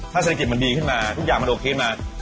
ถ้าเศรษฐกิจมันดีขึ้นมาทุกอย่างมันโอเคมา